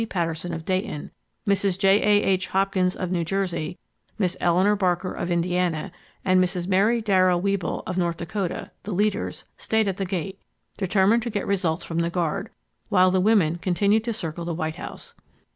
Patterson of Dayton, Mrs. J. A. H. Hopkins of New Jersey, Miss Eleanor Barker of Indiana, and Mrs. Mary Darrow Weible of North Dakota,—the leaders—stayed at the gate, determined to get results from the guard, while the women continued to circle the White House.